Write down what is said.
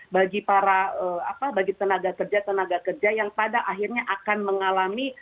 bagi para tenaga kerja tenaga kerja yang pada akhirnya akan mengalami